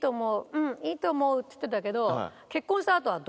うんいいと思う」って言ってたけど。